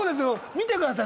見てください。